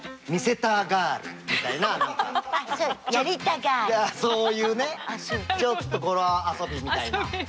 だからそういうねちょっと語呂遊びみたいな。